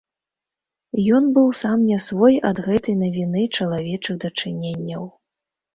Ён быў сам не свой ад гэтай навіны чалавечых дачыненняў.